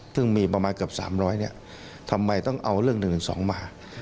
ซึ่งมีประมาณเกือบ๓๐๐เนี่ยทำไมต้องเอาเรื่อง๑๑๒มา